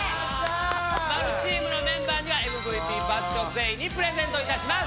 ○チームのメンバーにはＭＶＰバッジを全員にプレゼントいたします。